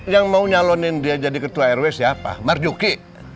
yang mau nyalonin dia jadi ketua rw siapa marjuki